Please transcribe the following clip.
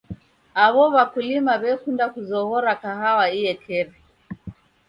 Aw'o w'akulima w'ekunda kuzoghora kahawa iekeri.